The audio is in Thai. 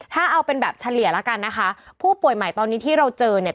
ถ้าเอาเป็นแบบเฉลี่ยแล้วกันนะคะผู้ป่วยใหม่ตอนนี้ที่เราเจอเนี่ย